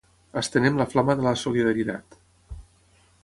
Estenem la flama de la solidaritat.